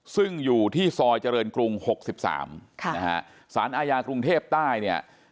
ซึ่งอยู่ที่ซอยเจริญกรุง๖๓นะฮะสารอาญากรุงเทพใต้เนี่ย